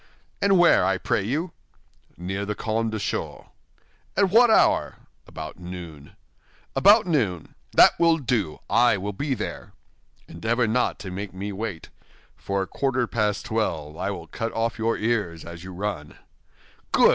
"And where, I pray you?" "Near the Carmes Deschaux." "At what hour?" "About noon." "About noon? That will do; I will be there." "Endeavor not to make me wait; for at quarter past twelve I will cut off your ears as you run." "Good!"